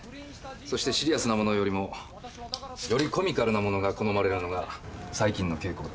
そしてシリアスなものよりもよりコミカルなものが好まれるのが最近の傾向です。